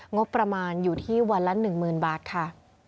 งบประมาณอยู่ที่วันละหนึ่งหมื่นบาทค่ะ